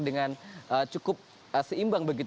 dengan cukup seimbang